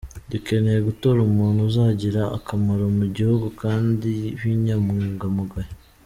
Dukeneye gutora umuntu uzagira akamaro mu gihugu kandi w’inyangamugayo.